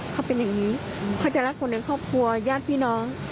เขาเป็นอย่างนี้เขาจะรักคนในครอบครัวญาติพี่น้อง